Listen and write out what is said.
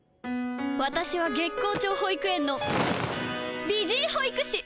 私は月光町保育園の美人保育士。